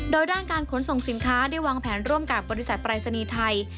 โดยด้านการขนส่งสินค้าได้วางแผนร่วมกับบริษัทปรายศนีย์ไทย